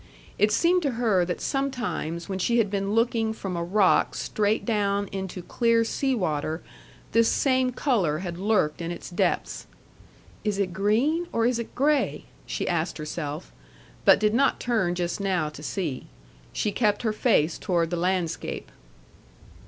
It seemed to her that sometimes when she had been looking from a rock straight down into clear sea water, this same color had lurked in its depths. "Is it green, or is it gray?" she asked herself, but did not turn just now to see. She kept her face toward the landscape.